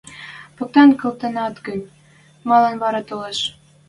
– Поктен колтенӓт гӹнь, малын вара толеш?